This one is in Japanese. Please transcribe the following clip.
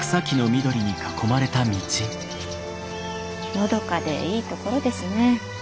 のどかでいいところですね。